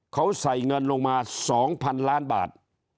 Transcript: เขาใส่เงินลงมา๒๐๐๐ล้านบาท